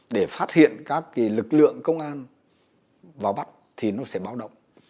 để phát hiện các lực lượng công an vào bắt thì nó sẽ báo động